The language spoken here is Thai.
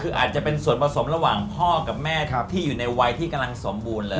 คืออาจจะเป็นส่วนผสมระหว่างพ่อกับแม่ที่อยู่ในวัยที่กำลังสมบูรณ์เลย